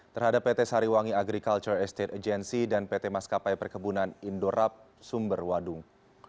terhadap pt sariwangi agriculture estate agency dan pt maskapai perkebunan indorap sumber wadung